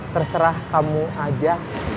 terserah kamu aja